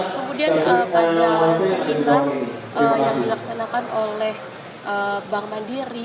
kemudian pada sekitar yang dilaksanakan oleh bank mandiri